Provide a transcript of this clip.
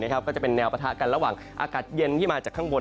ก็จะเป็นแนวปะทะกันระหว่างอากาศเย็นที่มาจากข้างบน